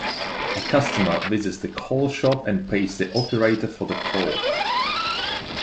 A customer visits the call shop, and pays the operator for the call.